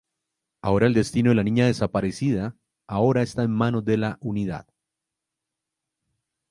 Ahora el destino de la niña desaparecida ahora está en manos de la unidad.